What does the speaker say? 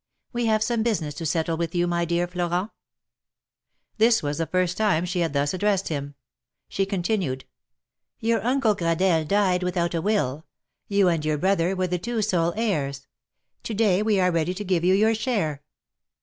We have some business to settle with you, my dear Florent." This was the first time she had thus addressed him. She continued : /'Your Uncle Gradelle died without a will; you and your brother were the two sole heirs. To day we are ready to give you your share."